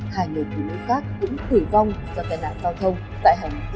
hai người tùy lũ khác cũng tử vong do tai nạn giao thông tại hà nội